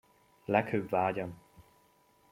Leghőbb vágyam!